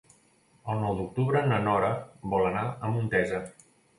El nou d'octubre na Nora vol anar a Montesa.